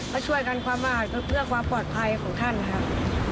ก็ช่วยกันความอาจเพื่อความปลอดภัยของท่านครับ